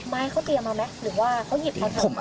ไม้เขาเตรียมมาไหมหรือว่าเขาหยิบมาทำมา